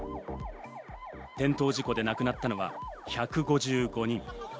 転倒事故で亡くなったのは１５５人。